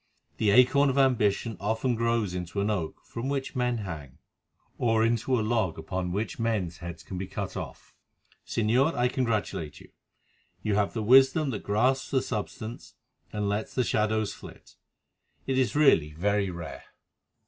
The acorn of ambition often grows into an oak from which men hang." "Or into a log upon which men's heads can be cut off. Señor, I congratulate you. You have the wisdom that grasps the substance and lets the shadows flit. It is really very rare."